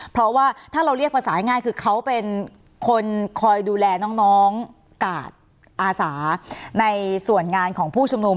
เพราะว่าถ้าเราเรียกภาษาง่ายคือเขาเป็นคนคอยดูแลน้องกาดอาสาในส่วนงานของผู้ชุมนุม